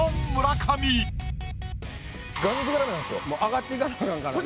上がっていかなあかんからね。